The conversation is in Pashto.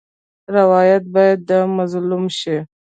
روایت باید د مظلوم شي.